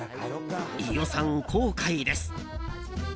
飯尾さん、後悔です。